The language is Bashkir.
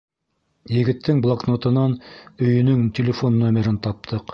Егеттең блокнотынан өйөнөң телефон номерын таптыҡ.